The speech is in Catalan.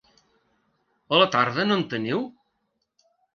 A la tarda no en teniu?